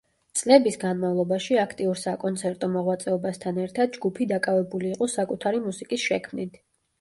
წლების განმავლობაში აქტიურ საკონცერტო მოღვაწეობასთან ერთად ჯგუფი დაკავებული იყო საკუთარი მუსიკის შექმნით.